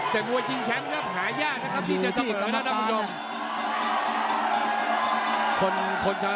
แต่มวยชิงแชมป์ก็แผลยากนะครับที่จะเสริมนะท่านผู้ชม